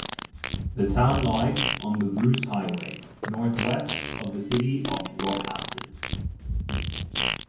The town lies on the Bruce Highway, north west of the city of Rockhampton.